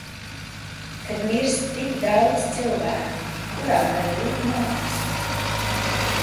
Kad mirst tik daudz cilvēku, kuram gan rūp māksla?